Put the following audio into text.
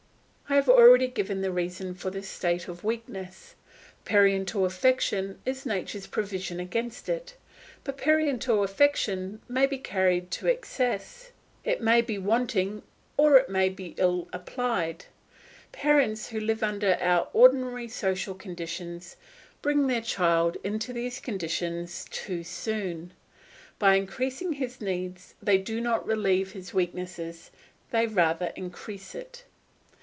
I have already given the reason for this state of weakness. Parental affection is nature's provision against it; but parental affection may be carried to excess, it may be wanting, or it may be ill applied. Parents who live under our ordinary social conditions bring their child into these conditions too soon. By increasing his needs they do not relieve his weakness; they rather increase it.